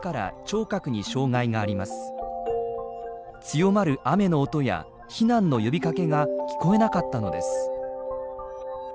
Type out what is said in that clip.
強まる雨の音や避難の呼びかけが聞こえなかったのです。